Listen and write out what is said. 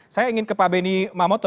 saya ingin ke pak benny mamoto